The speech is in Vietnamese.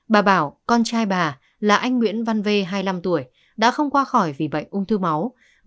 bà bảo con trai bà là anh nguyễn văn v hai mươi năm tuổi đã không qua khỏi vì bệnh ung thư máu